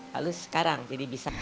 lalu sekarang jadi bisa